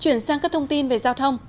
chuyển sang các thông tin về giao thông